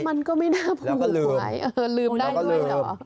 มันก็ไม่น่าผูกไว้แล้วก็ลืมแล้วก็ลืม